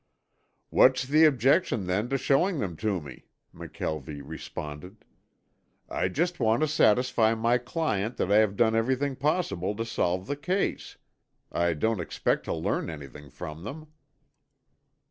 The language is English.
"What's the objection then to showing them to me?" McKelvie responded. "I just want to satisfy my client that I have done everything possible to solve the case. I don't expect to learn anything from them."